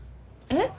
えっ？